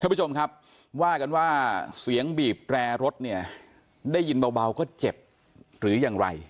ผู้ชมครับว่ากันว่าเสียงบีบแตรรถเนี่ยได้ยินเบาก็เจ็บหรือยังไร